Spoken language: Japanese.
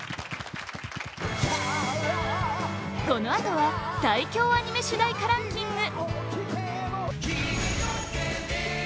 このあとは最強アニメ主題歌ランキング！